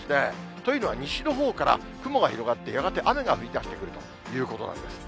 というのは、西のほうから雲が広がって、やがて雨が降りだしてくるということなんです。